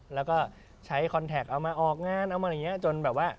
แล้วก็ใช้คอนแท็กเอามาออกงานเอามาอะไรอย่างนี้จนแบบว่า